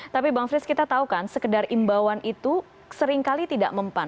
tapi bang frits kita tahu kan sekedar imbauan itu seringkali tidak mempan